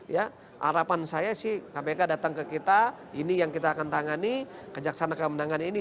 ya harapan saya sih kpk datang ke kita ini yang kita akan tangani kejaksana kemenangan ini